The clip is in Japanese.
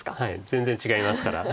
全然違いますから。